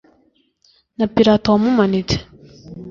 na Pilato Wamumanitse